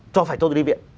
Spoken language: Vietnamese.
cho phải tôi đi viện